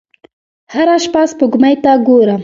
هره شپه سپوږمۍ ته ګورم